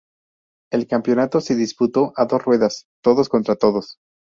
El campeonato se disputó a dos ruedas, todos contra todos.